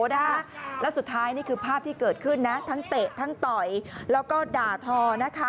แล้วสุดท้ายนี่คือภาพที่เกิดขึ้นนะทั้งเตะทั้งต่อยแล้วก็ด่าทอนะคะ